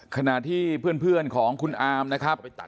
ขณะที่เพื่อนของคุณอามนะครับ